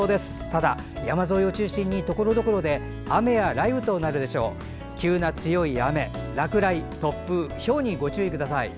ただ、山沿いを中心にところどころで急な強い雨や落雷、突風ひょうに、ご注意ください。